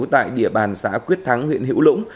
tại địa bàn xã quyết thắng huyện hữu lũng